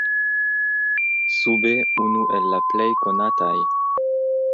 Sube unu el la plej konataj.